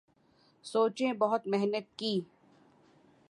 سوچیں بہت محنت کی